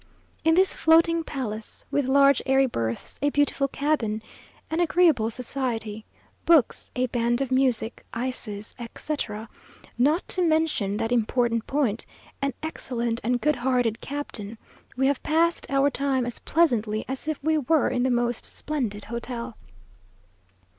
In this floating palace, with large airy berths, a beautiful cabin, an agreeable society, books, a band of music, ices, etc.; not to mention that important point, an excellent and good hearted captain, we have passed our time as pleasantly as if we were in the most splendid hotel.